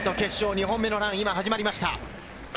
２本目のラン、今、始まりました。